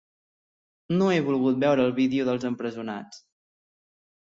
No he volgut veure el vídeo dels empresonats.